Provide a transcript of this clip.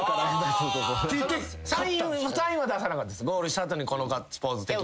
ゴールした後にこのガッツポーズ的な。